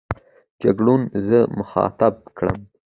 جګړن زه مخاطب کړم.